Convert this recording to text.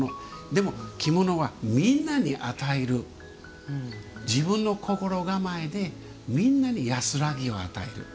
でも、着物はみんなに与える自分の心構えでみんなに安らぎを与える。